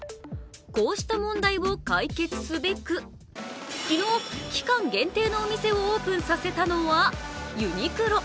こうした問題を解決すべく昨日、期間限定のお店をオープンさせたのはユニクロ。